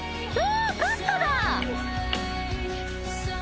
パスタだ。